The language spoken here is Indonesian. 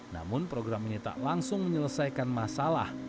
namun program ini tak langsung menyelesaikan masalah